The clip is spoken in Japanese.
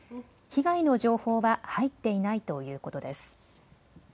被害の情報は入っていないということです。